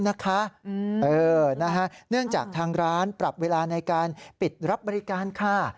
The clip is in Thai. เนื่องจากทางร้านปรับเวลาในการปิดรับบริการค่ะ